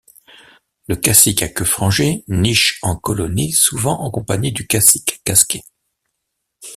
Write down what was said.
Le Cassique à queue frangée niche en colonie souvent en compagnie du Cassique casqué.